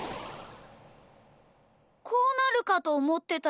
こうなるかとおもってたよ。